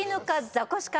ザコシか？